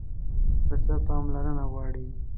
پسه پاملرنه غواړي.